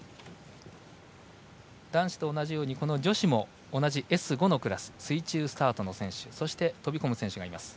男子と同じように女子も同じＳ５のクラス水中スタートの選手そして飛び込む選手がいます。